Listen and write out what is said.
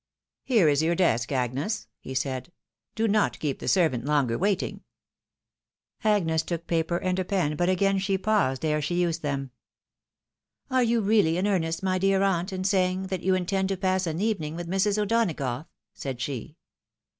" Here is your desk, Agnes," he said ;" do not keep the servant longer waiting." Agnes took paper and a pen, but again she paused ere she used them. " Are you really in earnest, my dear aunt, in saying that you intend to pass an evening with Mrs. O'Donagough?" said she.